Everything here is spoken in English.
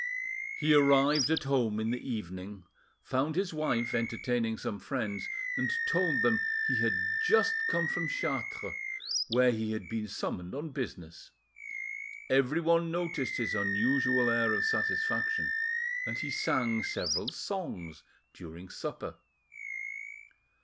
He arrived at home in the evening, found his wife entertaining some friends; and told them he had just come from Chartres, where he had been summoned on business. Everyone noticed his unusual air of satisfaction, and he sang several songs during supper.